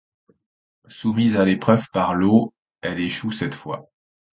Soumise à l'épreuve par l'eau, elle échoue cette fois.